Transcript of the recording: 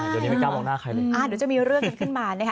เดี๋ยวนี้ไม่กล้ามองหน้าใครเลยอ่าเดี๋ยวจะมีเรื่องกันขึ้นมานะคะ